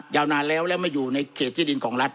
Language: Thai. ยาวนานแล้วแล้วมาอยู่ในเขตที่ดินของรัฐ